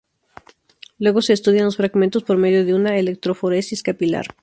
Luego se estudian los fragmentos por medio de una electroforesis capilar.